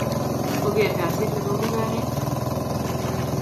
ko ker kasit nebo mugaret